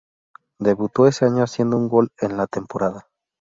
Debutó ese año haciendo un gol en la temporada.